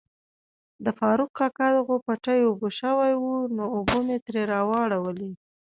د فاروق کاکا دغو پټی اوبه شوای وو نو اوبه می تري واړولي.